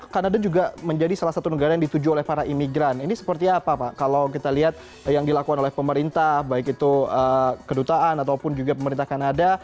kanada juga menjadi salah satu negara yang dituju oleh para imigran ini seperti apa pak kalau kita lihat yang dilakukan oleh pemerintah baik itu kedutaan ataupun juga pemerintah kanada